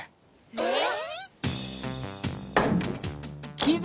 えっ？